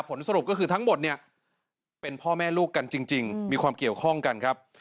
ผลสรุปก็คือทั้งหมดเนี่ยเป็นพ่อแม่ลูกกันจริงมีความเกี่ยวข้องกันครับ